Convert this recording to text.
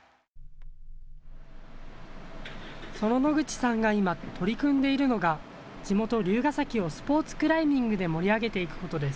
その野口さんが今、取り組んでいるのが地元、龍ケ崎をスポーツクライミングで盛り上げていくことです。